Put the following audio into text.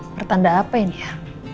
pertanda apa ini ya